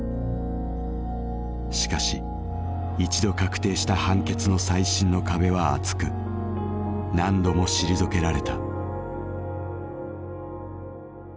しかし一度確定した判決の再審の壁は厚く何度も退けられた。